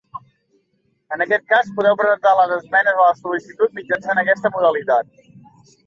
En aquest cas, podeu presentar les esmenes a la sol·licitud mitjançant aquesta modalitat.